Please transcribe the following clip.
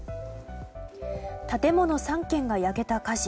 建物３軒が焼けた火事。